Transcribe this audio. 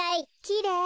きれい。